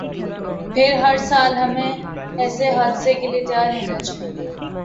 پھر ہرسال ہمیں ایسے حادثے کے لیے تیار رہنا چاہیے۔